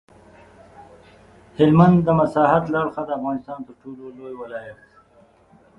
هلمند د مساحت له اړخه د افغانستان تر ټولو لوی ولایت دی.